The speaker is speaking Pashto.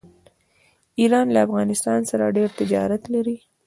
ایران له افغانستان سره ډیر تجارت لري.